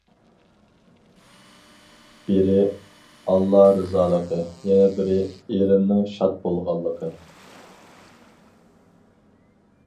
بىرى، ئاللا رىزالىقى، يەنە بىرى، ئېرىمنىڭ شاد بولغانلىقى.